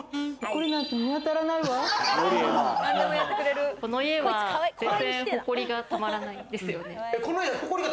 この家は全然ホコリがたまらないんですよね。